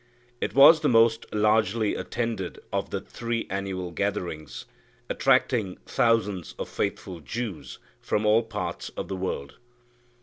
It was the most largely attended of the three annual gatherings, attracting thousands of faithful Jews from all parts of the world.